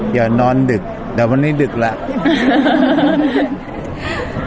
อย่านอนดึกแต่วันนี้ดึกแล้ว